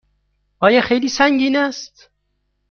آیا خیلی سنگین است؟